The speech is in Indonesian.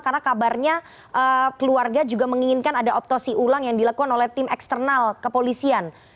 karena kabarnya keluarga juga menginginkan ada optosi ulang yang dilakukan oleh tim eksternal kepolisian